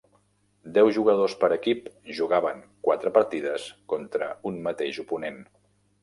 Deu jugadors per equip jugaven quatre partides contra un mateix oponent.